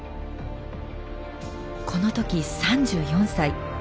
この時３４歳。